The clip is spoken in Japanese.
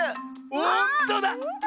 ほんとだ！